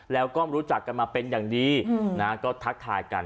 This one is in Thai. แล้วก็รู้จักกันมาเป็นอย่างดีนะก็ทักทายกัน